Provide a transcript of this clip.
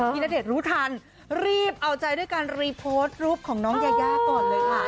ณเดชน์รู้ทันรีบเอาใจด้วยการรีโพสต์รูปของน้องยายาก่อนเลยค่ะ